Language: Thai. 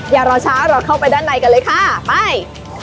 อย่ารอช้าเราเข้าไปด้านในกันเลยค่ะไป